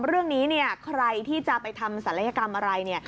เรื่องนี้ใครที่จะไปทำสรรพยากรรมอะไร